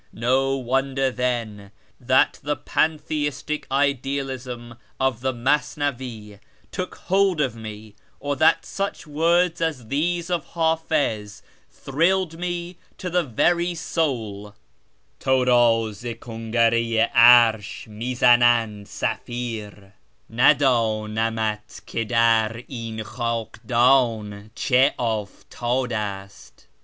No wonder, then, that the Pantheistic idealism of the Masnavi took hold of me, or that such words as these of Hafiz thrilled me to the very soul :" Turd zi kungara i arsh mt zanand safir: Na ddnamat ki dar In khdkddn die uftddast."